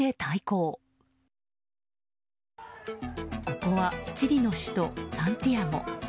ここはチリの首都サンティアゴ。